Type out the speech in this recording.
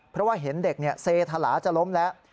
เพราะว่าเห็นเด็กเซธลาจะล้มแล้ว